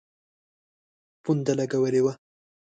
پونډه لګولي وه.